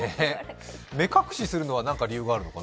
目隠しするのは何か理由があるのかな。